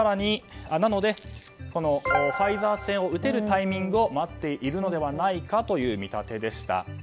なので、ファイザー製を打てるタイミングを待っているのではないかという見立てでした。